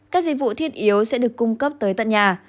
các dịch vụ thiết yếu sẽ được cung cấp tới tận nhà